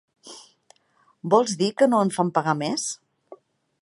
Vols dir que no en fan pagar més?